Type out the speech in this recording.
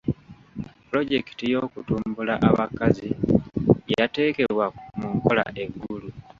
Pulojekiti y'okutumbula abakazi yateekebwa mu nkola e Gulu.